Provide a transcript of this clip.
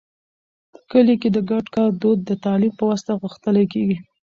په کلي کې د ګډ کار دود د تعلیم په واسطه غښتلی کېږي.